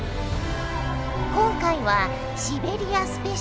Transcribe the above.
今回はシベリアスペシャル。